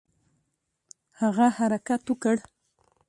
هغه حرکت وکړ.